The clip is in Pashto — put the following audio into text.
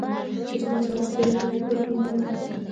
له ستونزې سره مخ کېدل منفي فکرونه هم لري.